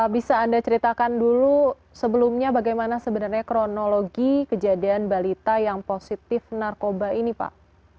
bisa anda ceritakan dulu sebelumnya bagaimana sebenarnya kronologi kejadian balita yang positif narkoba ini pak